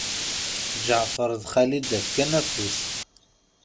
Ǧeɛfer d Xalida fkan afus.